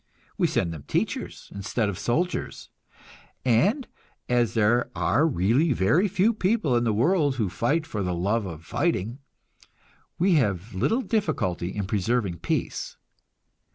We send them teachers instead of soldiers, and as there are really very few people in the world who fight for the love of fighting, we have little difficulty in preserving peace.